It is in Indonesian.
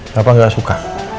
papa gak suka